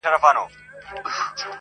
همدا به حال وي ورځ تر قیامته -